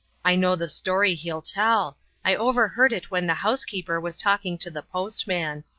I know the story he'll tell; I overheard it when the housekeeper was talking to the postman.